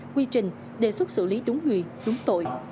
quy trình đề xuất xử lý đúng người đúng tội